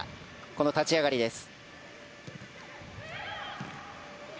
この立ち上がりです。